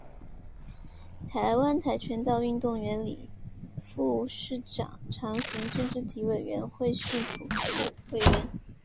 台湾跆拳道运动学会副理事长行政院体育委员会训辅委员